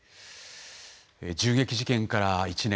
銃撃事件から１年。